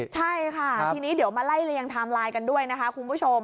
ใช่ค่ะทีนี้เดี๋ยวมาไล่เรียงไทม์ไลน์กันด้วยนะคะคุณผู้ชม